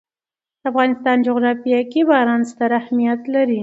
د افغانستان جغرافیه کې باران ستر اهمیت لري.